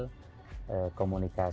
apa yang kamu lakukan